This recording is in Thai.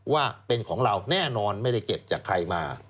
ว่าเป็นของเราแน่นอนไม่ได้เก็บจากใครมา